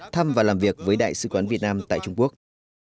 thăm và làm việc với đại sứ quán việt nam tại trung quốc